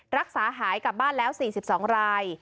รักษาหายกลับบ้านแล้ว๔๒ราย